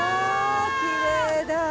きれいだ。